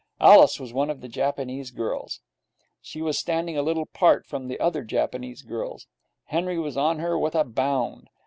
Alice was one of the Japanese girls. She was standing a little apart from the other Japanese girls. Henry was on her with a bound.